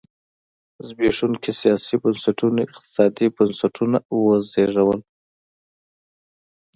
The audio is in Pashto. زبېښونکي سیاسي بنسټونو اقتصادي بنسټونه وزېږول.